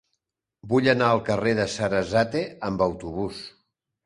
Vull anar al carrer de Sarasate amb autobús.